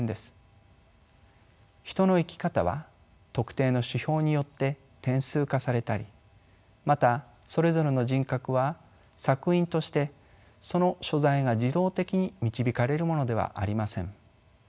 人の生き方は特定の指標によって点数化されたりまたそれぞれの人格は索引としてその所在が自動的に導かれるものではありません。